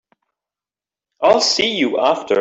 I'll see you after.